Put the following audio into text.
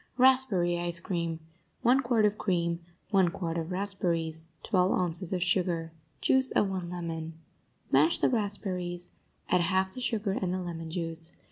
RASPBERRY ICE CREAM 1 quart of cream 1 quart of raspberries 12 ounces of sugar Juice of one lemon Mash the raspberries; add half the sugar and the lemon juice.